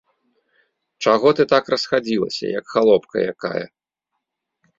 Чаго ты так расхадзілася, як халопка якая?